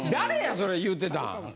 それ言うてたん。